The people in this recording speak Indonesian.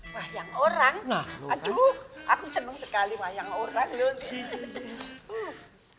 wah yang orang aduh aku cembung sekali wah yang orang loh